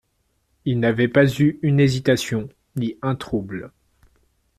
Il n'avait pas eu une hésitation ni un trouble.